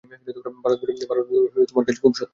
ভারতবর্ষ তোমার কাছে খুব সত্য?